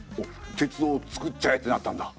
「鉄道をつくっちゃえ」ってなったんだ。